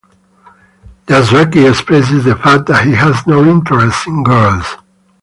Yasuaki expresses the fact that he has no interest in girls.